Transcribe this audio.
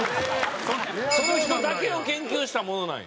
その人だけを研究したものなんや。